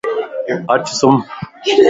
اچ سُمَ